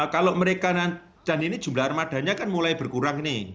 kalau mereka nanti dan ini jumlah armadanya kan mulai berkurang nih